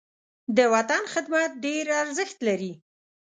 د وطن خدمت ډېر ارزښت لري.